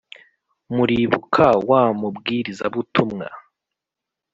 muribuka wa mubwirizabutumwa